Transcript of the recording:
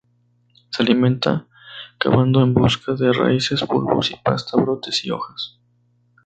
Se alimenta cavando en busca de raíces y bulbos, y pasta brotes y hojas.